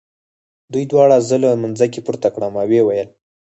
دوی دواړو زه له مځکې پورته کړم او ویې ویل.